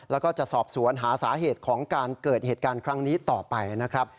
แล้วก็จะสอบสวนหาสาเหตุของการเกิดเหตุการณ์ครั้งนี้ต่อไปนะครับ